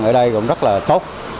ở đây cũng rất là tốt